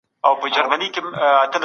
کمیسیونونه څومره واک لري؟